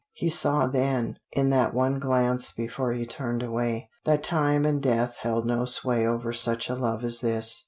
He saw then, in that one glance before he turned away, that time and death held no sway over such a love as this.